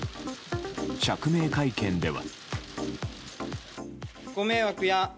釈明会見では。